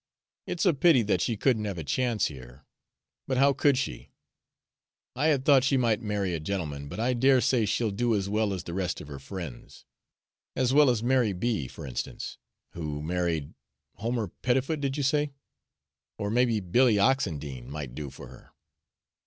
It's a pity that she couldn't have a chance here but how could she! I had thought she might marry a gentleman, but I dare say she'll do as well as the rest of her friends as well as Mary B., for instance, who married Homer Pettifoot, did you say? Or maybe Billy Oxendine might do for her.